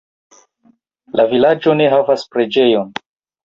La vilaĝo ne havas preĝejon.